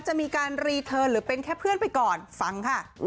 จะมีการรีเทิร์นหรือเป็นแค่เพื่อนไปก่อนฟังค่ะ